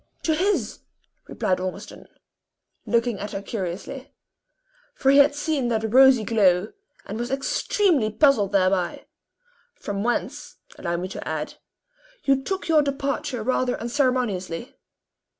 "To his," replied Ormiston, looking at her curiously; for he had seen that rosy glow, and was extremely puzzled thereby; "from whence, allow me to add, you took your departure rather unceremoniously."